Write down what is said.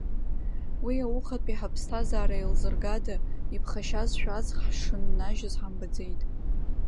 Уи аухатәи ҳаԥсҭазаара еилзыргада, иԥхашьазшәа аҵх ҳшыннажьыз ҳамбаӡеит.